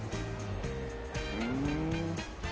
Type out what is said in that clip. ふん。